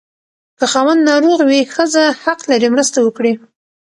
که خاوند ناروغ وي، ښځه حق لري مرسته وکړي.